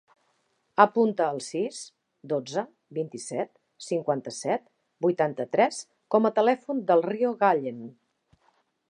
Apunta el sis, dotze, vint-i-set, cinquanta-set, vuitanta-tres com a telèfon del Rio Gallen.